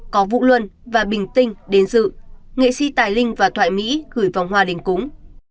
có vũ luân và bình tinh đến dự nghệ sĩ tài linh và thoại mỹ gửi vòng hoa đình cúng